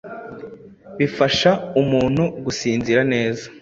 bifasha umuntu gusinzira neza